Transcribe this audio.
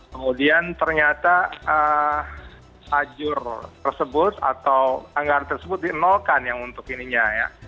kemudian ternyata lajur tersebut atau anggaran tersebut dienolkan untuk ini ya